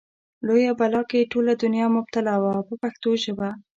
لویه بلا کې ټوله دنیا مبتلا وه په پښتو ژبه.